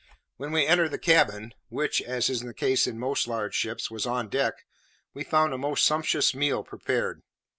When we entered the cabin, which, as is the case in most large ships, was on deck, we found a most sumptuous meal prepared.